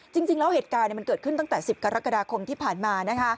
จริงแล้วเหตุการณ์มันเกิดขึ้นตั้งแต่๑๐กรกฎาคมที่ผ่านมา